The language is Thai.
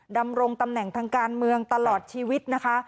ดำรงตำแหน่งทางการเมืองตลอดชีวิตนะคะ